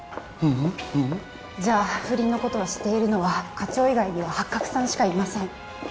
ううんううんじゃあ不倫のことを知っているのは課長以外にはハッカクさんしかいません